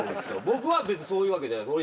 僕は別にそういうわけじゃない。